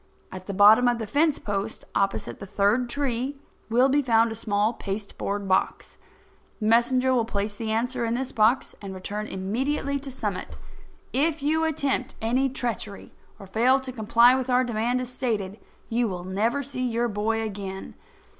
At the bottom of the fence post, opposite the third tree, will be found a small pasteboard box. The messenger will place the answer in this box and return immediately to Summit. If you attempt any treachery or fail to comply with our demand as stated, you will never see your boy again.